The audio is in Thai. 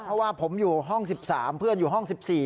เพราะว่าผมอยู่ห้อง๑๓เพื่อนอยู่ห้อง๑๔